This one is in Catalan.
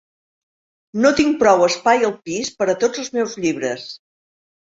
No tinc prou espai al pis per a tots els meus llibres.